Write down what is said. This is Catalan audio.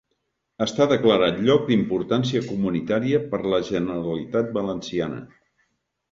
Està declarat lloc d'importància comunitària per la Generalitat Valenciana.